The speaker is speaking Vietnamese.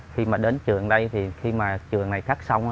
khi mà đến trường đây khi mà trường này cắt xong